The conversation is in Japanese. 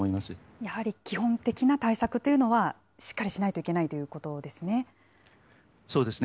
やはり基本的な対策というのは、しっかりしないといけないとそうですね。